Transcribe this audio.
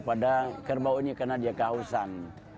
kepada kerbaunya karena dia kehausan